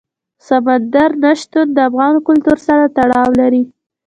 سمندر نه شتون د افغان کلتور سره تړاو لري.